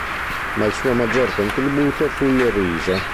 Ma il suo maggior contributo fu il riso.